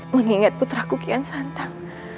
mengingat putraku kian santan